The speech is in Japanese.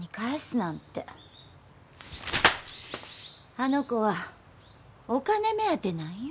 あの子はお金目当てなんよ。